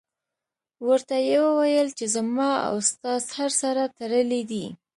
ورته یې وویل چې زما او ستا سر سره تړلی دی.